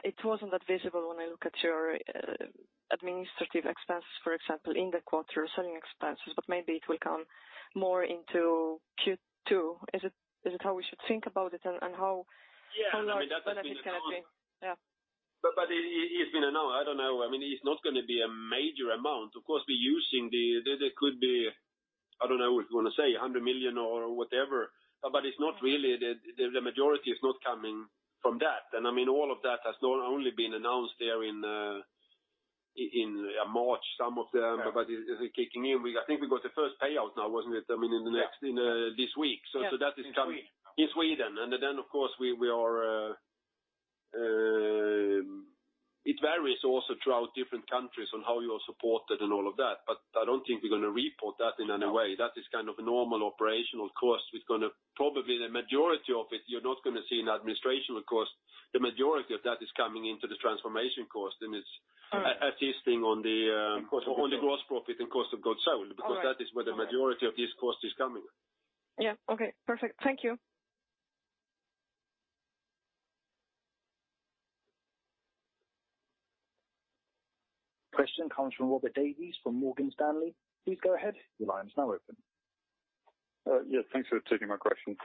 Speaker 8: It wasn't that visible when I look at your administrative expenses, for example, in the quarter, selling expenses, but maybe it will come more into Q2. Is it how we should think about it and how large the benefit is going to be? Yeah.
Speaker 2: It's been a no, I don't know. It's not going to be a major amount. Of course, we're using. There could be, I don't know, we're going to say 100 million or whatever, but it's not really the majority is not coming from that. All of that has not only been announced there in March, some of them, but is it kicking in? I think we got the first payout now, wasn't it, I mean, in this week. That is coming in Sweden. Then of course it varies also throughout different countries on how you are supported and all of that, but I don't think we're going to report that in any way. That is kind of a normal operational cost. Probably the majority of it you're not going to see in administration cost. The majority of that is coming into the transformation cost and it's assisting on the gross profit and cost of goods sold because that is where the majority of this cost is coming.
Speaker 8: Yeah. Okay, perfect. Thank you.
Speaker 1: Question comes from Robert Davies from Morgan Stanley. Please go ahead. Your line is now open.
Speaker 9: Yeah. Thanks for taking my question.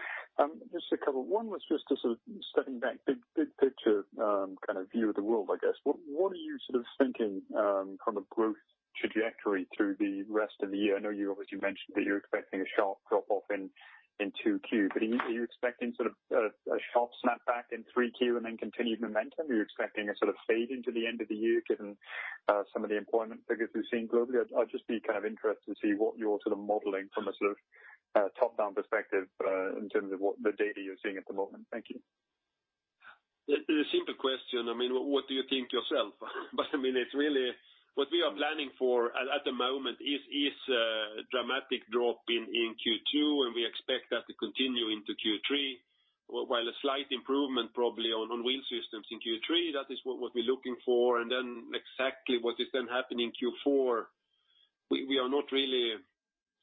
Speaker 9: Just to cover, one was just to sort of stepping back big picture kind of view of the world, I guess. What are you sort of thinking kind of growth trajectory through the rest of the year? I know you obviously mentioned that you're expecting a sharp drop off in 2Q, but are you expecting sort of a sharp snap back in 3Q and then continued momentum? Are you expecting a sort of fade into the end of the year given some of the employment figures we've seen globally? I'd just be kind of interested to see what you're sort of modeling from a sort of top-down perspective in terms of what the data you're seeing at the moment. Thank you.
Speaker 2: A simple question. What do you think yourself? It's really what we are planning for at the moment is a dramatic drop in Q2, and we expect that to continue into Q3, while a slight improvement probably on Wheel Systems in Q3, that is what we're looking for. Exactly what is then happening in Q4. We are not really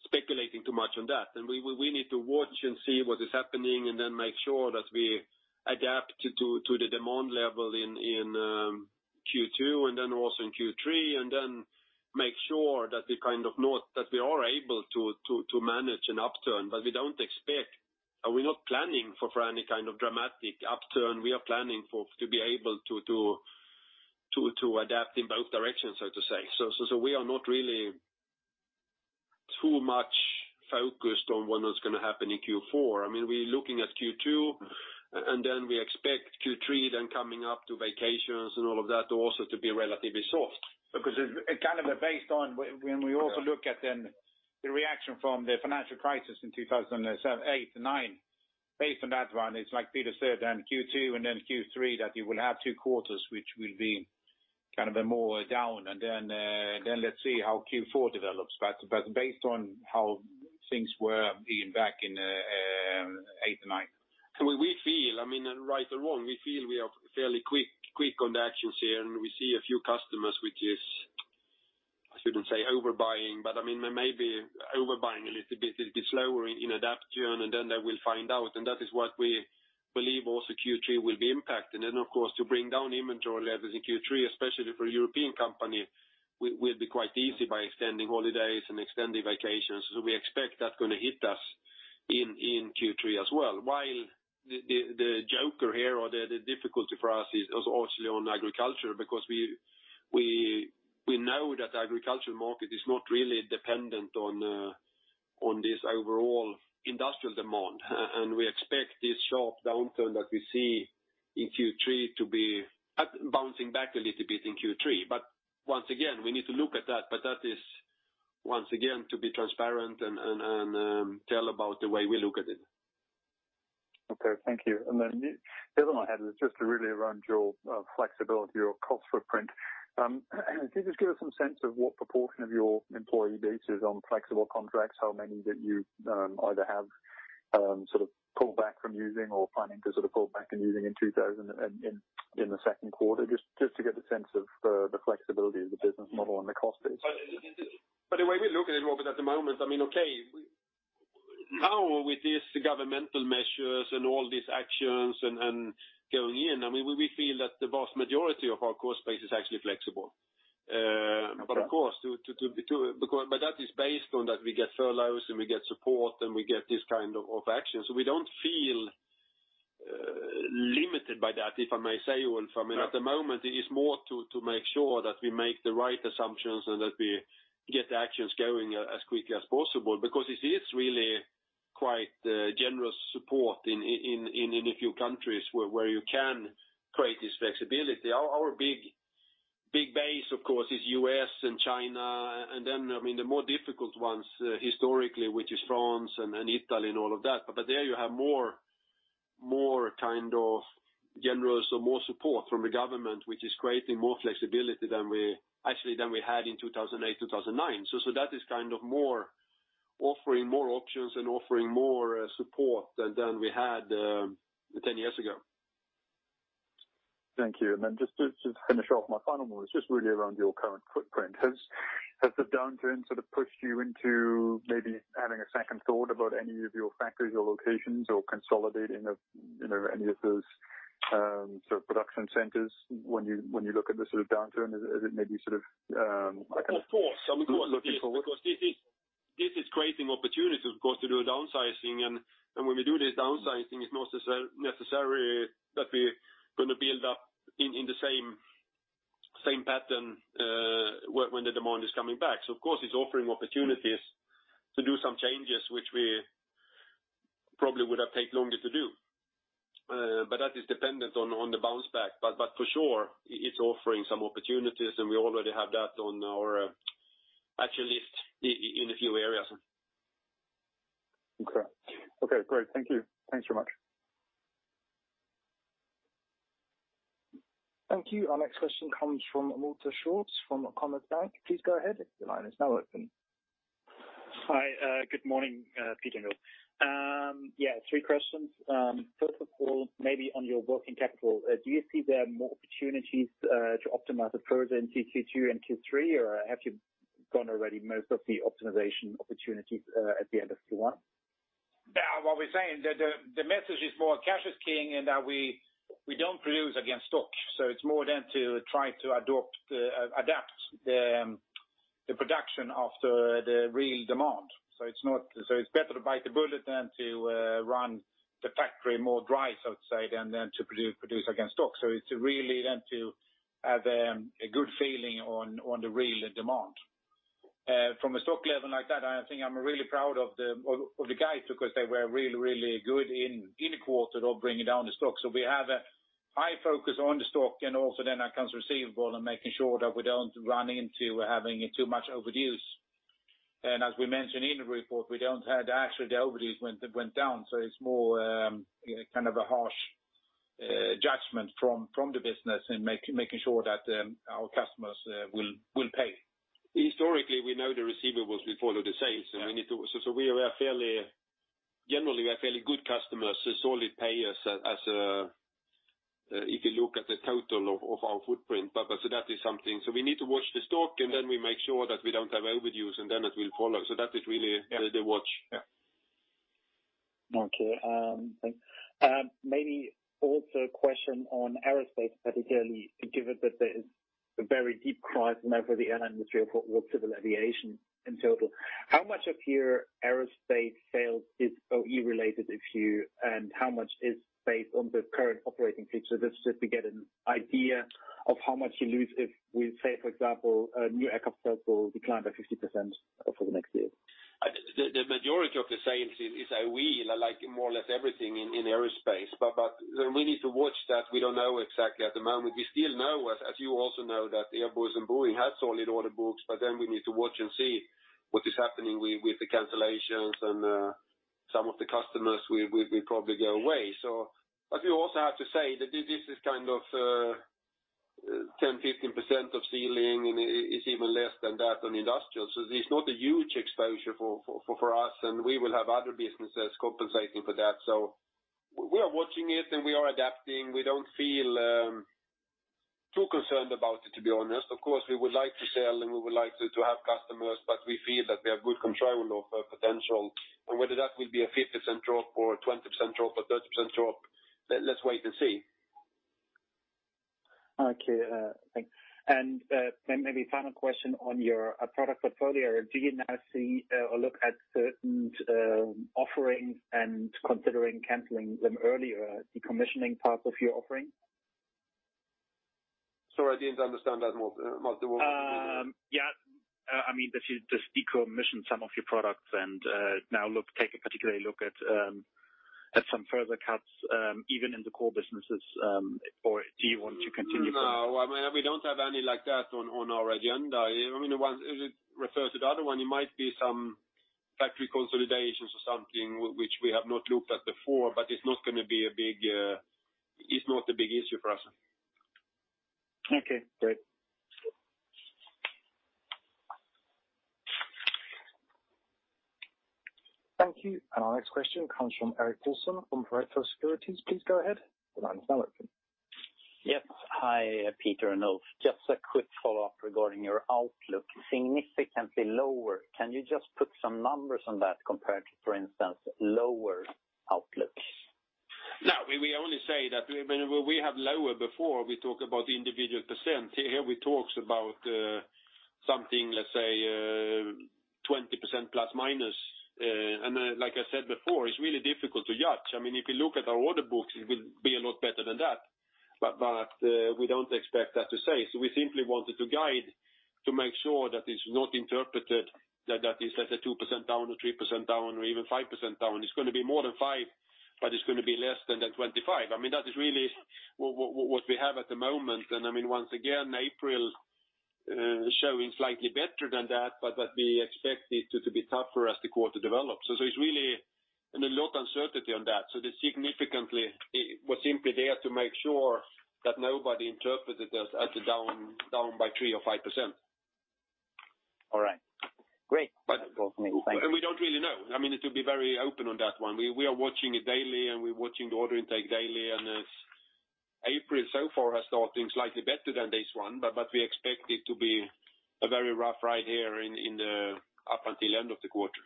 Speaker 2: speculating too much on that. We need to watch and see what is happening, and then make sure that we adapt to the demand level in Q2 and then also in Q3, and then make sure that we are able to manage an upturn. We're not planning for any kind of dramatic upturn. We are planning to be able to adapt in both directions, so to say. We are not really too much focused on what is going to happen in Q4. We're looking at Q2, and then we expect Q3 then coming up to vacations and all of that also to be relatively soft.
Speaker 3: It's kind of based on when we also look at then the reaction from the financial crisis in 2008-2009, based on that one, it's like Peter said, then Q2 and then Q3, that you will have two quarters, which will be more down. Let's see how Q4 develops. Based on how things were being back in 2008 and 2009.
Speaker 2: Right or wrong, we feel we are fairly quick on the actions here, and we see a few customers which is, I shouldn't say overbuying, but they may be overbuying a little bit, a little bit slower in adaption, and then they will find out. That is what we believe also Q3 will be impacted. Then, of course, to bring down inventory levels in Q3, especially for a European company, will be quite easy by extending holidays and extending vacations. We expect that's going to hit us in Q3 as well. While the joker here or the difficulty for us is also on agriculture, because we know that the agriculture market is not really dependent on this overall industrial demand. We expect this sharp downturn that we see in Q3 to be bouncing back a little bit in Q3. Once again, we need to look at that, but that is once again to be transparent and tell about the way we look at it.
Speaker 9: Okay. Thank you. Then the other one I had is just really around your flexibility or cost footprint. Can you just give us some sense of what proportion of your employee base is on flexible contracts, how many that you either have pulled back from using or planning to pull back in using in the second quarter, just to get a sense of the flexibility of the business model and the cost base?
Speaker 2: The way we look at it, Robert, at the moment, okay, now with these governmental measures and all these actions and going in, we feel that the vast majority of our cost base is actually flexible.
Speaker 9: Okay.
Speaker 2: That is based on that we get furloughs and we get support and we get this kind of action. We don't feel limited by that, if I may say, Ulf. I mean, at the moment it is more to make sure that we make the right assumptions and that we get actions going as quickly as possible, because it is really quite generous support in a few countries where you can create this flexibility. Our big base, of course, is U.S. and China, and then the more difficult ones historically, which is France and Italy and all of that. There you have more support from the government, which is creating more flexibility actually than we had in 2008, 2009. That is offering more options and offering more support than we had 10 years ago.
Speaker 9: Thank you. Just to finish off my final one, it's just really around your current footprint. Has the downturn pushed you into maybe having a second thought about any of your factories or locations or consolidating any of those production centers? When you look at this downturn, is it maybe sort of looking forward?
Speaker 2: Of course. This is creating opportunities, of course, to do a downsizing. When we do this downsizing, it's not necessary that we're going to build up in the same pattern when the demand is coming back. Of course, it's offering opportunities to do some changes, which we probably would have taken longer to do. That is dependent on the bounce back. For sure, it's offering some opportunities, and we already have that on our action list in a few areas.
Speaker 9: Okay. Great. Thank you. Thanks very much.
Speaker 1: Thank you. Our next question comes from [Walter Schwarz] from Commerzbank. Please go ahead. Your line is now open.
Speaker 10: Hi. Good morning, Peter and Ulf. Three questions. First of all, maybe on your working capital, do you see there are more opportunities to optimize it further in Q2 and Q3, or have you gone already most of the optimization opportunities at the end of Q1?
Speaker 2: What we're saying, the message is more cash is king and that we don't produce against stock. It's more then to try to adapt the production after the real demand. It's better to bite the bullet than to run the factory more dry, I would say, than to produce against stock. It's really then to have a good feeling on the real demand. From a stock level like that, I think I'm really proud of the guys because they were really, really good in the quarter of bringing down the stock. We have a high focus on the stock and also then accounts receivable and making sure that we don't run into having too much overdues. As we mentioned in the report, actually the overdues went down. It's more a harsh judgment from the business in making sure that our customers will pay. Historically, we know the receivables will follow the sales.
Speaker 10: Yeah.
Speaker 2: Generally we have fairly good customers who solidly pay us. If you look at the total of our footprint. We need to watch the stock, and then we make sure that we don't have overdues, and then it will follow. That is really the watch.
Speaker 10: Yeah. Okay. Maybe also a question on Aerospace, particularly given that there is a very deep crisis now for the air industry or civil aviation in total. How much of your Aerospace sales is OE related, and how much is based on the current operating picture? Just to get an idea of how much you lose if we say, for example, new aircraft will decline by 50% over the next year.
Speaker 2: The majority of the sales is OE, like more or less everything in Aerospace. We need to watch that. We don't know exactly at the moment. We still know, as you also know, that Airbus and Boeing has solid order books, we need to watch and see what is happening with the cancellations and some of the customers will probably go away. We also have to say that this is 10%-15% of Sealing, and it's even less than that on Industrial. It's not a huge exposure for us, and we will have other businesses compensating for that. We are watching it, and we are adapting. We don't feel too concerned about it, to be honest. Of course, we would like to sell, and we would like to have customers, but we feel that we have good control of potential. Whether that will be a 50% drop or a 20% drop, a 30% drop, let's wait and see.
Speaker 10: Okay. Thanks. Maybe final question on your product portfolio, do you now see or look at certain offerings and considering canceling them early or decommissioning parts of your offering?
Speaker 2: Sorry, I didn't understand that, [Martin].
Speaker 10: Yeah. I mean, just decommission some of your products and now take a particular look at some further cuts, even in the core businesses, or do you want to continue?
Speaker 2: No, we don't have any like that on our agenda. If it refers to the other one, it might be some factory consolidations or something which we have not looked at before, but it's not a big issue for us.
Speaker 10: Okay, great.
Speaker 1: Thank you. Our next question comes from Erik Paulsson from Pareto Securities. Please go ahead. The line is now open.
Speaker 11: Yes. Hi, Peter and Ulf. Just a quick follow-up regarding your outlook. Significantly lower. Can you just put some numbers on that compared to, for instance, lower outlooks?
Speaker 2: No, we only say that when we have lower before, we talk about individual percent. Here we talk about something, let's say, 20% ±. Like I said before, it's really difficult to judge. If you look at our order books, it will be a lot better than that. We don't expect that to say. We simply wanted to guide to make sure that it's not interpreted that that is let's say 2% down or 3% down or even 5% down. It's going to be more than 5%, but it's going to be less than the 25%. That is really what we have at the moment. Once again, April showing slightly better than that, but we expect it to be tougher as the quarter develops. It's really a lot of uncertainty on that. The significantly was simply there to make sure that nobody interpreted this as a down by 3% or 5%.
Speaker 11: All right. Great. Thank you.
Speaker 2: We don't really know. To be very open on that one, we are watching it daily, and we're watching the order intake daily, and April so far has started slightly better than this one, but we expect it to be a very rough ride here up until the end of the quarter.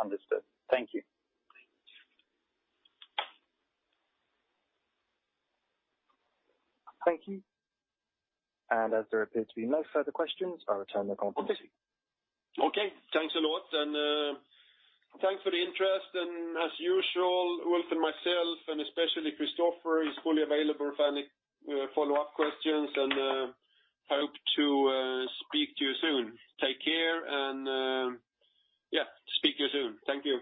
Speaker 11: Understood. Thank you.
Speaker 1: Thank you. As there appears to be no further questions, I'll return the conference.
Speaker 2: Okay. Thanks a lot. Thanks for the interest. As usual, Ulf and myself, and especially [Christofer], is fully available for any follow-up questions, and hope to speak to you soon. Take care and speak to you soon. Thank you.